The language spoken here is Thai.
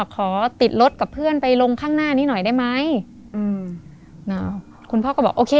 ขอติดรถกับเพื่อนไปลงข้างหน้านี้หน่อยได้ไหมอืมอ้าวคุณพ่อก็บอกโอเค